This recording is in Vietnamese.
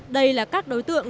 đây là các đối tượng